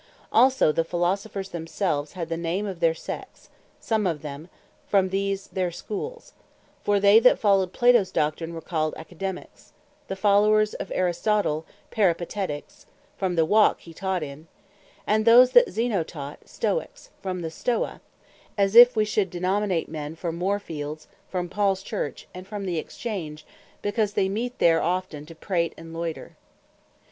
Also the Philosophers themselves had the name of their Sects, some of them from these their Schools: For they that followed Plato's Doctrine, were called Academiques; The followers of Aristotle, Peripatetiques, from the Walk hee taught in; and those that Zeno taught, Stoiques, from the Stoa: as if we should denominate men from More fields, from Pauls Church, and from the Exchange, because they meet there often, to prate and loyter.